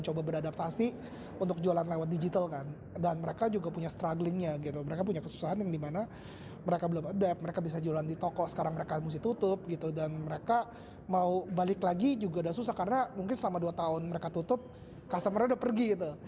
customer nya udah pergi gitu